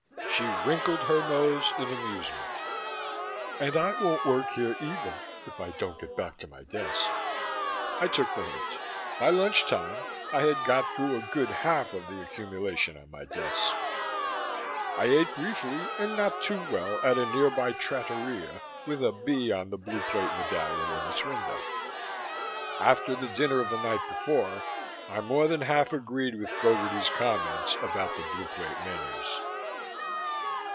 She wrinkled her nose in amusement. "And I won't work here either, if I don't get back to my desk." I took the hint. By lunch time, I had got through a good half of the accumulation on my desk. I ate briefly and not too well at a nearby trattoria with a "B" on the Blue Plate medallion in its window. After the dinner of the night before, I more than half agreed with Gogarty's comments about the Blue Plate menus.